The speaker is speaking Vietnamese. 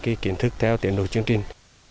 cái kiến thức theo tiền đồ chương trình